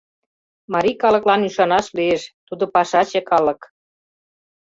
Марий калыклан ӱшанаш лиеш: тудо — пашаче калык.